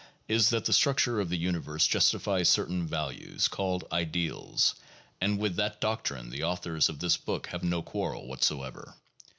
is that the structure of the universe justifies certain values, called ideals, and with that doctrine the authors of this book have no quarrel whatsoever.